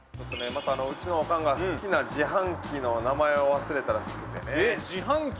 また、うちのおかんが好きな自販機の名前を忘れたらしくてね。